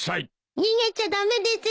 逃げちゃ駄目ですよ。